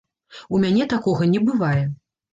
У мяне такога не бывае.